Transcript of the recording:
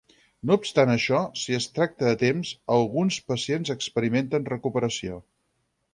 No obstant això, si es tracta a temps, alguns pacients experimenten recuperació.